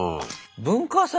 文化祭